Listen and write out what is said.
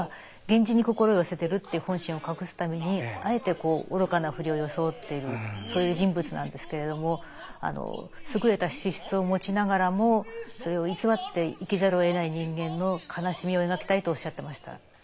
源氏に心を寄せているっていう本心を隠すためにあえて愚かなふりを装っているそういう人物なんですけれども優れた資質を持ちながらもそれを偽って生きざるをえない人間の悲しみを描きたいとおっしゃってました。